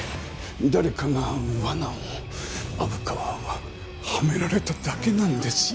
誰かが罠を虻川ははめられただけなんですよ。